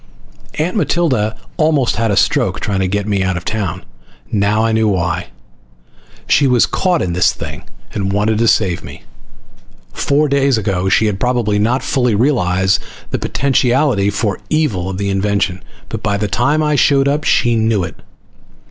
Aunt Matilda had almost had a stroke trying to get me out of town. Now I knew why. She was caught in this thing and wanted to save me. Four days ago she had probably not fully realized the potentiality for evil of the invention, but by the time I showed up she knew it.